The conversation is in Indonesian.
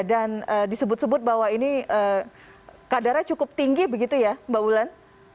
dan disebut sebut bahwa ini kadarnya cukup tinggi begitu ya mbak ulan